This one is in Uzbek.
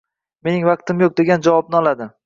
Mening vaqtim yo‘q” degan javobni oladi.